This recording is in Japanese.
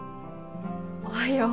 おはよう。